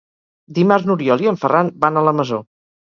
Dimarts n'Oriol i en Ferran van a la Masó.